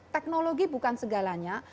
teknologi bukan segalanya